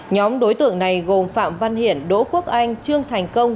nhóm đối tượng này gồm phạm văn hiển đỗ quốc anh trương thành công